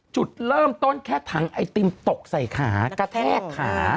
จุดเริ่มต้นแค่ถังไอติมตกใส่ขากระแทกขา